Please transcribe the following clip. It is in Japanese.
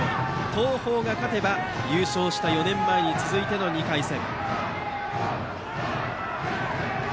東邦が勝てば優勝した４年前に続いての２回戦。